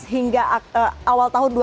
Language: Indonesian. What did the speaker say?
hingga awal tahun dua ribu dua puluh